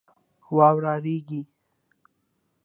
واوره رېږي.